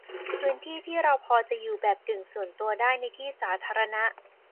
พื้นที่ที่เราพอจะอยู่แบบกึ่งส่วนตัวได้ ในที่สาธารณะ